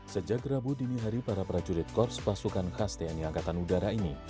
sejak rabu dini hari para prajurit korps pasukan khas tni angkatan udara ini